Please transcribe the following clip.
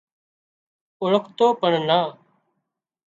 اوۯکتو پڻ نا